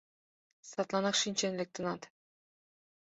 Садланак шинчен лектынат.